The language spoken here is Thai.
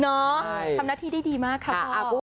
เนอะทำหน้าที่ได้ดีมากครับพ่อ